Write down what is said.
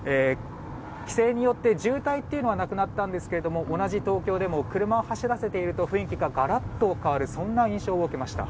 規制によって渋滞はなくなったんですが同じ東京でも車を走らせていると雰囲気がガラッと変わるそんな印象を受けました。